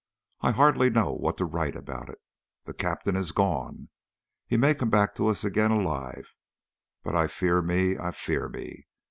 I hardly know what to write about it. The Captain is gone. He may come back to us again alive, but I fear me I fear me.